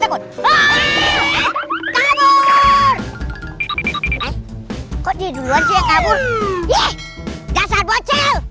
kok dia duluan sih kabur